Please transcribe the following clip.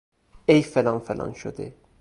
ای فلان فلان شده!